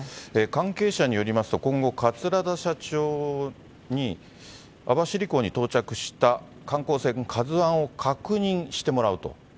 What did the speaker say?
関係者によりますと、今後、桂田社長に網走港に到着した観光船、ＫＡＺＵＩを確認してもらうと。